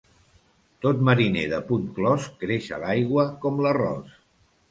Tot mariner de puny clos creix a l'aigua com l'arròs.